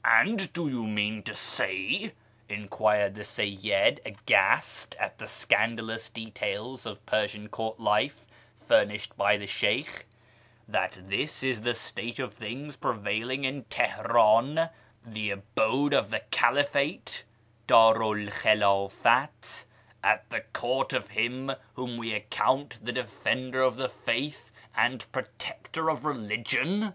" And do you mean to say," enquired the Seyyid, aghast at the scandalous details of Persian Court life furnished by the Sheykh, "that this is the state of things prevailing in Tehenin, ' the abode of the Caliphate ' (Ddru l Kliildfat), at the court of him whom we account the Defender of the Faith and Protector of Pieligion